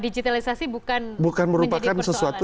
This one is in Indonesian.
digitalisasi bukan menjadi persoalan bukan merupakan sesuatu